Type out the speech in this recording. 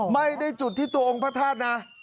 ไม่ได้จุดที่ตัวองค์พระธาตุนะ